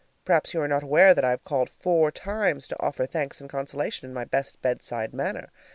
Perhaps you are not aware that I have called four times to offer thanks and consolation in my best bed side manner?